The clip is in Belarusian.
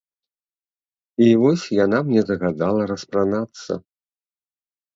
І вось яна мне загадала распранацца.